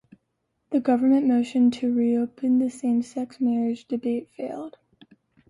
A government motion to reopen the same-sex marriage debate failed.